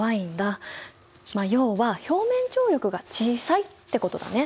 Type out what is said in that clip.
まあ要は表面張力が小さいってことだね！